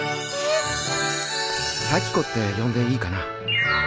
さきこって呼んでいいかな